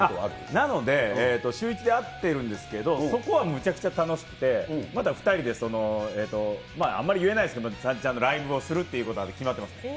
なので、週１で会ってるんですけど、そこはむちゃくちゃ楽しくてまた２人であんまり言えないですけど、ライブをするということは決まってます。